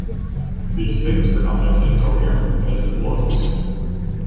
These things are not as incoherent as it looks.